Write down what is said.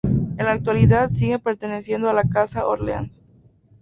En la actualidad sigue perteneciendo a la casa Orleans.